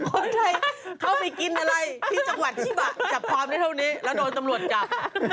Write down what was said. คนไทยเข้าไปกินอะไรที่จังหวัดจับความได้เท่านี้แล้วโดนตำรวจจับ